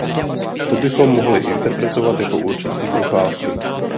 To bychom mohli interpretovat jako určitý druh lásky.